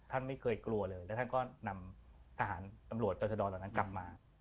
ท่านไม่เคยกลัวเลยและท่านก็นำทหารตำรวจต่อชะดอเหล่านั้นกลับมา